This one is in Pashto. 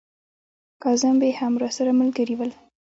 کاظم بې هم راسره ملګري ول.